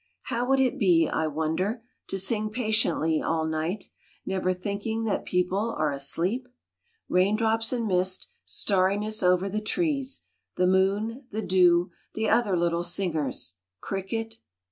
How would it be, I wonder, To sing patiently all night, Never thinking that people are asleep? Raindrops and mist, starriness over the trees, The moon, the dew, the other little singers, Cricket